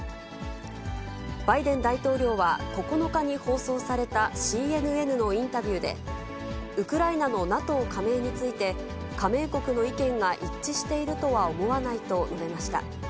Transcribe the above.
バイデン大統領は、９日に放送されたＣＮＮのインタビューで、ウクライナのＮＡＴＯ加盟について、加盟国の意見が一致しているとは思わないと述べました。